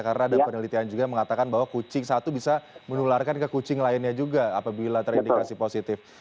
karena ada penelitian juga mengatakan bahwa kucing satu bisa menularkan ke kucing lainnya juga apabila terindikasi positif